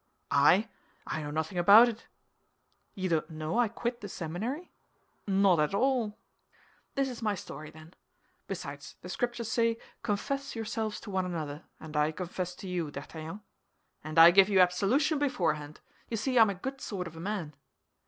"I? I know nothing about it." "You don't know I quit the seminary?" "Not at all." "This is my story, then. Besides, the Scriptures say, 'Confess yourselves to one another,' and I confess to you, D'Artagnan." "And I give you absolution beforehand. You see I am a good sort of a man."